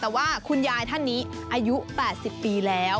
แต่ว่าคุณยายท่านนี้อายุ๘๐ปีแล้ว